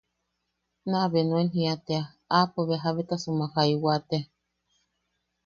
Nabea nuen jia tea aapo bea jabetasumak jaiwa tea.